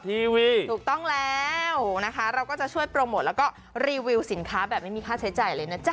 ทีวีถูกต้องแล้วนะคะเราก็จะช่วยโปรโมทแล้วก็รีวิวสินค้าแบบไม่มีค่าใช้จ่ายเลยนะจ๊